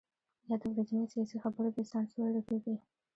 یا د ورځنیو سیاسي خبرو بې سانسوره لیکل دي.